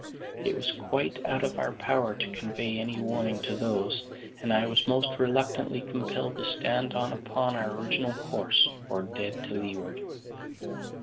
It was quite out of our power to convey any warning to those, and I was most reluctantly compelled to stand on upon our original course, or dead to leeward.